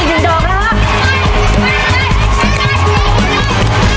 อีก๑ดอกนะครับ